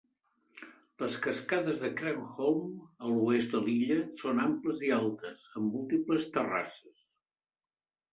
Les cascades de Kreenholm, a l'oest de l'illa, són amples i altes, amb múltiples terrasses.